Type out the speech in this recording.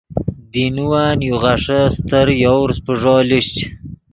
دینوّن یو غیݰے استر یوورس پیݱو لیشچ۔